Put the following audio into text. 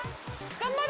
頑張れ！